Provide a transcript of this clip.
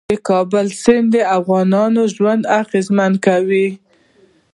د کابل سیند د افغانانو ژوند اغېزمن کوي.